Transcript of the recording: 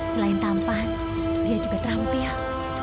selain tampan dia juga terampil